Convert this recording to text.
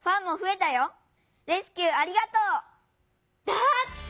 だって。